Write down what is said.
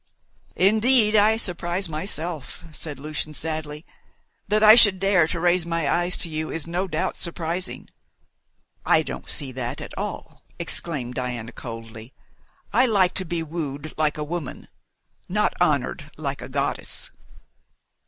"Indeed, I surprise myself," said Lucian sadly. "That I should dare to raise my eyes to you is no doubt surprising." "I don't see that at all," exclaimed Diana coldly. "I like to be woo'd like a woman, not honoured like a goddess."